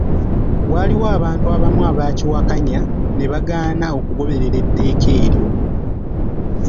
Waliwo abantu abamu abaakiwakanya ne bagaana okugoberera etteeka eryo.